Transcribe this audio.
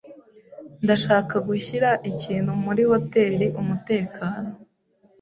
Ndashaka gushyira ikintu muri hoteri umutekano.